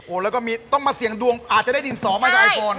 แล้วก็มีต้องมาเสี่ยงดวงอาจจะได้ดินสอมาจากไอพร